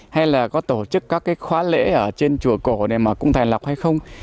hay là có tổ chức các cái khóa lễ ở trên chùa cổ này mà cũng thành lập hay không